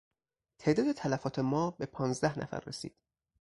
تعداد تلفات ما به پانزده نفر رسید.